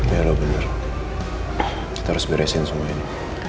iya lo bener kita harus beresin semua ini